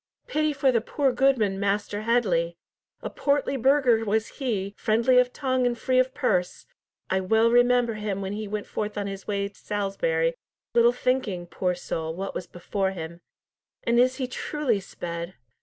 "Pity for the poor goodman, Master Headley. A portly burgher was he, friendly of tongue and free of purse. I well remember him when he went forth on his way to Salisbury, little thinking, poor soul, what was before him. And is he truly sped?"